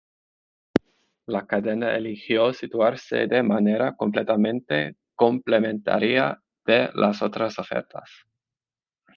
La cadena eligió situarse de manera completamente complementaria de las otras ofertas.